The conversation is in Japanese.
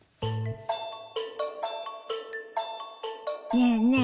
ねえねえ